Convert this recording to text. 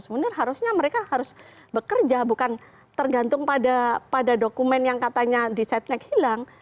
sebenarnya harusnya mereka harus bekerja bukan tergantung pada dokumen yang katanya di setnek hilang